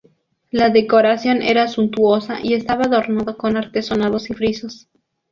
La decoración era suntuosa y estaba adornado con artesonados y frisos.